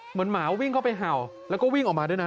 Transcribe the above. หมาวิ่งเข้าไปเห่าแล้วก็วิ่งออกมาด้วยนะ